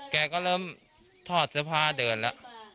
แกก็เริ่มถอดเสื้อผ้าเดินแล้ว